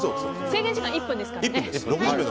制限時間１分ですから。